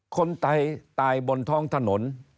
คนตายตายบนท้องถนน